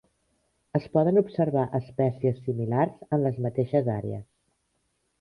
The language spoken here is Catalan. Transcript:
Es poden observar espècies similars en les mateixes àrees.